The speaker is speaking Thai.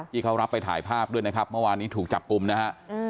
ที่เขารับไปถ่ายภาพด้วยนะครับเมื่อวานนี้ถูกจับกลุ่มนะฮะ